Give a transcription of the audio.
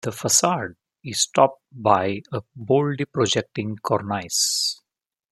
The facade is topped by a boldly projecting cornice.